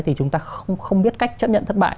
thì chúng ta không biết cách chấp nhận thất bại